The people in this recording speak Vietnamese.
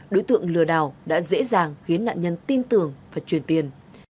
đối tượng lừa đảo đã dễ dàng khiến nạn nhân tin tưởng và truyền tiền